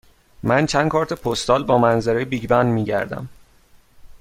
من چند کارت پستال با منظره بیگ بن می گردم.